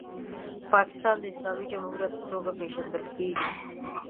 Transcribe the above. پاکستان د اسلامي جمهوریت په توګه پیژندل کیږي.